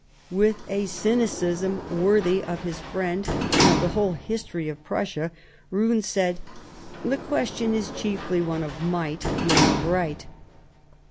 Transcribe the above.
With a cynicism worthy of his friend and of the whole history of Prussia, Rcon said :" The question is chiefly one of might, not of right."